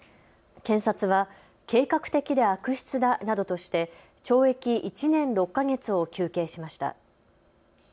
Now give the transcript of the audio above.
検察は計画的で悪質だなどとして懲役１年６か月を求刑しました。